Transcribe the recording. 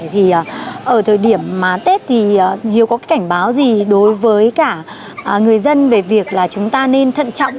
thì ở thời điểm mà tết thì hiếu có cái cảnh báo gì đối với cả người dân về việc là chúng ta nên thận trọng